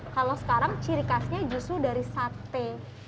kalau sekarang ciri khasnya justru dari sate